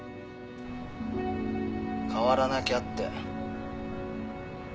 変わらなきゃって。